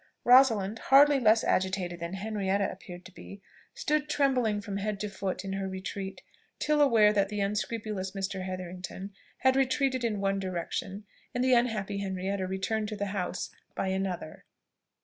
Rosalind, hardly less agitated than Henrietta appeared to be, stood trembling from head to foot in her retreat, till aware that the unscrupulous Mr. Hetherington had retreated in one direction, and the unhappy Henrietta returned to the house by another.